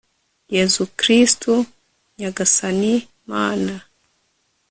yezu kristu nyagasani mana